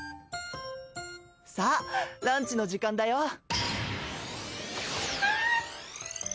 さぁランチの時間だよ。